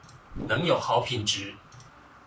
能有好品質